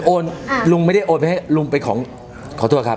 โอนลุงไม่ได้โอนลุงเป็นของขอโทษครับ